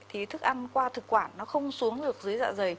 thì thức ăn qua thực quản nó không xuống được dưới dạ dày